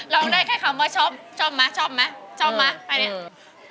ร้องได้แค่คำว่าชอบชอบไหมมาไปเนี่ย